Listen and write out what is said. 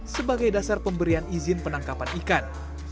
sebagai dasar pemberian izin penangkapan ikan